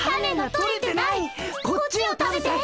こっちを食べて！